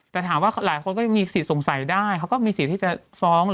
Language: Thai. แต่ถามว่าหลายคนก็ยังมีสิทธิ์สงสัยได้เขาก็มีสิทธิ์ที่จะฟ้อง